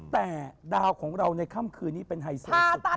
แต่ดาวของเราในค่ำคืนนี้เป็นไฮโซสุด